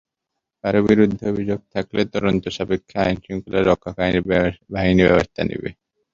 কারও বিরুদ্ধে অভিযোগ থাকলে তদন্ত সাপেক্ষে আইনশৃঙ্খলা রক্ষাকারী বাহিনী ব্যবস্থা নেবে।